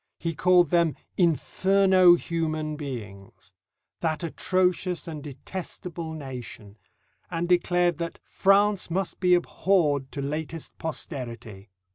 He called them "inferno human beings," "that atrocious and detestable nation," and declared that "France must be abhorred to latest posterity."